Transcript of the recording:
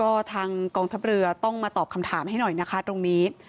ก็ทางกองทัพเรือต้องมาตอบคำถามให้หน่อยนะคะตรงนี้